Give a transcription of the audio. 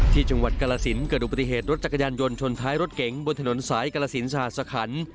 ที่จังหวัดกรสินเกิดอุปติเหตุรถจักรยานยนต์ชนท้ายรถเก๋งบนถนนสายกรสินสหสคัน